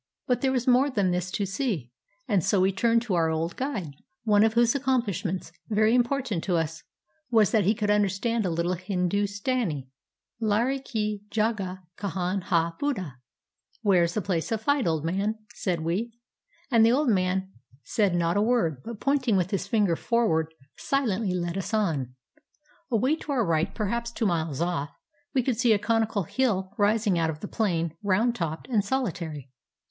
But there was more than this to see, and so we turned to our old guide, one of whose accomplishments, very important to us, was that he could understand a little Hindustani. " Larai ki jagah kahan hai, buddha? "" Where is the place of fight, old man? " said we. And the old man said not a word, but pointing with his finger forward, silently led us on. Away to our right, perhaps two miles off, we could see a conical hill rising out of the plain, round topped and solitary.